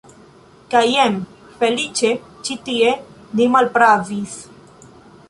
Kaj jen, feliĉe, ĉi tie ni malpravis.